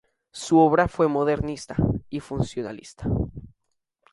Su obra fue modernista y funcionalista.